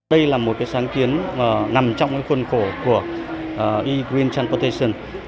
đây là một sáng kiến nằm trong khuôn khổ của e green tranportation